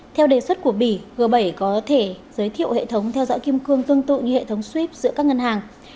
theo đề xuất của bỉ g bảy có thể giới thiệu hệ thống theo dõi kim cương tương tự như hệ thống srip giữa các ngân hàng